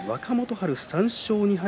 春は３勝２敗